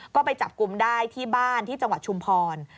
ก็ไปจับกลุ่มได้ที่บ้านที่จังหวัดชุมพร